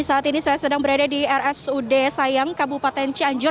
saat ini saya sedang berada di rsud sayang kabupaten cianjur